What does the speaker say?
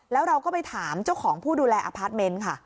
แล้วเราก็ไปถามเจ้าของผู้ดูแลอพาร์ทเมนต์ค่ะ